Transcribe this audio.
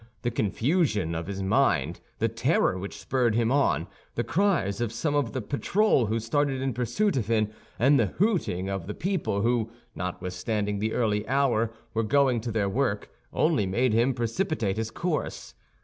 The confusion of his mind, the terror which spurred him on, the cries of some of the patrol who started in pursuit of him, and the hooting of the people who, notwithstanding the early hour, were going to their work, only made him precipitate his course.